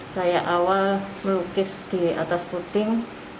saya awal melukis di atas puting